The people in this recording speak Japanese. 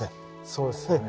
そうですよね。